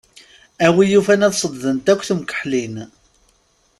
A win yufan ad ṣedddent akk temkeḥlin.